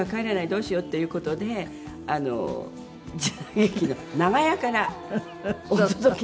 どうしよう？っていう事で時代劇の長屋からお届けしました。